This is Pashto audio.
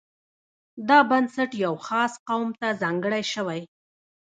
دا بنسټ یوه خاص قوم ته ځانګړی شوی.